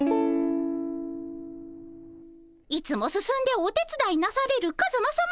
いつも進んでおてつだいなされるカズマさま